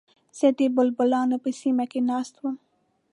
زه د بلبلانو په سیمه کې ناست وم.